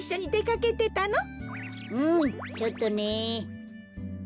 うんちょっとね。